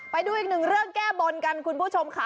ไปดูอีกหนึ่งเรื่องแก้บนกันคุณผู้ชมค่ะ